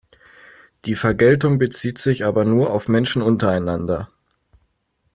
Die Vergeltung bezieht sich aber nur auf Menschen untereinander.